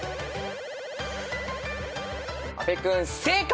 阿部君正解！